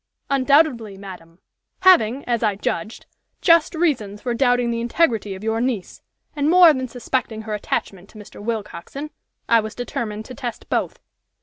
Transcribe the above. "Undoubtedly, madam! Having, as I judged, just reasons for doubting the integrity of your niece, and more than suspecting her attachment to Mr. Willcoxen, I was determined to test both.